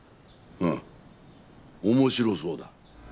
うん、面白そうだ。